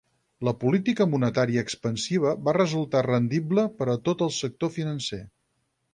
La política monetària expansiva va resultar rendible per a tot el sector financer.